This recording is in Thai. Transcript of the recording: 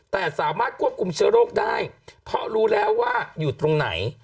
แต่สามารถควบคุมเชื้อโรคได้เพราะรู้แล้วว่าอยู่ตรงไหน